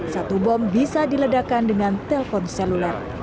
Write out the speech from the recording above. satu bom bisa diledakan dengan telpon seluler